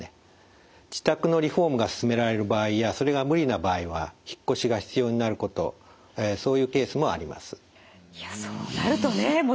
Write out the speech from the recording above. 自宅のリフォームがすすめられる場合やそれが無理な場合は引っ越しが必要になることそういうケースもあります。